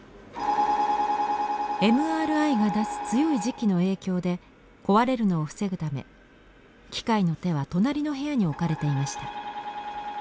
ＭＲＩが出す強い磁気の影響で壊れるのを防ぐため機械の手は隣の部屋に置かれていました。